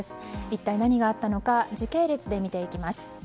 一体何があったのか時系列で見ていきます。